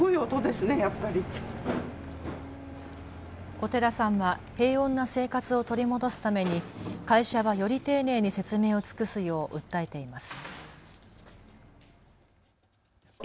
小寺さんは平穏な生活を取り戻すために会社はより丁寧に説明を尽くすよう訴えています。